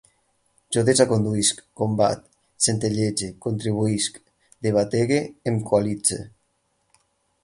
Jo desaconduïsc, combat, centellege, contribuïsc, debategue, em coalitze